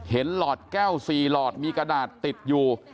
หลอดแก้ว๔หลอดมีกระดาษติดอยู่